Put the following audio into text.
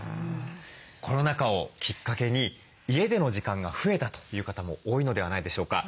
コロナ禍をきっかけに家での時間が増えたという方も多いのではないでしょうか。